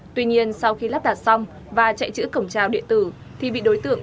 tuy nhiên sau khi lắp đặt hệ thống dây điện